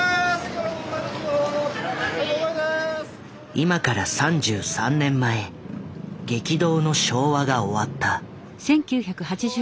今から３３年前激動の昭和が終わった。